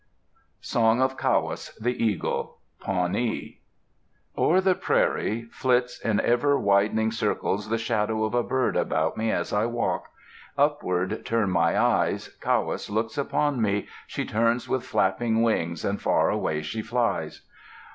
SONG OF KAWAS, THE EAGLE[I] Pawnee O'er the prairie flits in ever widening circles the shadow of a bird about me as I walk; Upward turn my eyes, Kawas looks upon me, she turns with flapping wings and far away she flies.